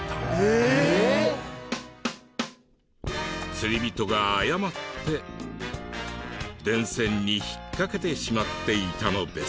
釣り人が誤って電線に引っ掛けてしまっていたのです。